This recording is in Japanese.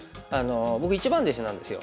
僕一番弟子なんですよ。